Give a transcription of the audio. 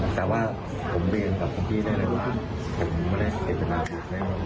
แต่ว่าผมเรียนกับคุณพี่ได้เลยว่าผมไม่ได้เก็บเวลาที่นั่งนะครับ